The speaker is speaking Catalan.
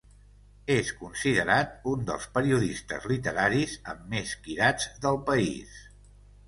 És considerat un dels periodistes literaris amb més quirats del país.